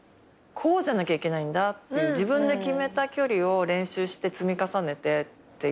こうじゃなきゃいけないんだっていう自分で決めた距離を練習して積み重ねてっていう。